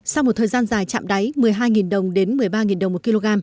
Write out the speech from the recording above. sau một thời gian dài chạm đáy một mươi hai đồng đến một mươi ba đồng một kg